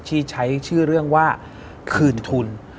ที่ใช้ชื่อเรื่องว่าคืนทุน